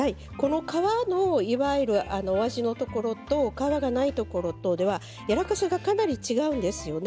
皮のお味のところと皮がないところではやわらかさがかなり違うんですよね。